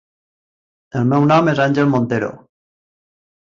El meu nom és Angel Montero.